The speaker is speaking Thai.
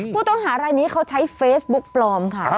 ผู้ต้องหารายนี้เขาใช้เฟซบุ๊กปลอมค่ะ